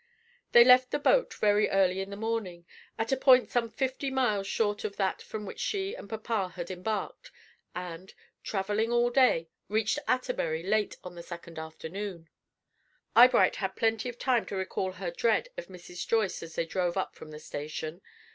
They left the boat, very early in the morning, at a point some fifty miles short of that from which she and papa had embarked, and, travelling all day, reached Atterbury late on the second afternoon. Eyebright had plenty of time to recall her dread of Mrs. Joyce as they drove up from the station.